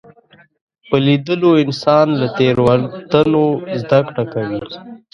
په لیدلو انسان له تېروتنو زده کړه کوي